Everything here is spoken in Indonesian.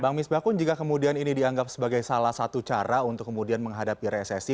bang misbahkun jika kemudian ini dianggap sebagai salah satu cara untuk kemudian menghadapi resesi